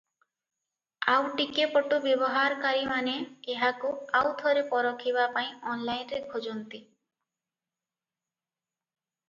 ଆଉ ଟିକେ ପଟୁ ବ୍ୟବହାରକାରୀମାନେ ଏହାକୁ ଆଉଥରେ ପରଖିବା ପାଇଁ ଅନଲାଇନରେ ଖୋଜନ୍ତି ।